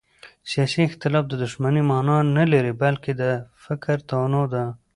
سیاسي اختلاف د دښمنۍ مانا نه لري بلکې د فکر تنوع ده